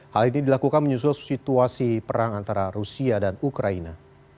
hal ini dilakukan menyusul situasi perang antara rusia dan ukraina